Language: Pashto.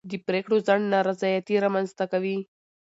د پرېکړو ځنډ نارضایتي رامنځته کوي